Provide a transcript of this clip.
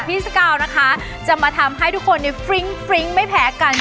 พี่สกาวนะคะจะมาทำให้ทุกคนฟริ้งฟริ้งไม่แพ้กัน